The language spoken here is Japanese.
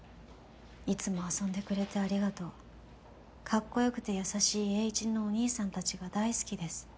「いつも遊んでくれてありがとう」「カッコよくて優しいエーイチのお兄さん達が大好きです」